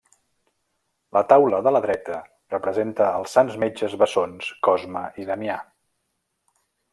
La taula de la dreta representa els sants metges bessons Cosme i Damià.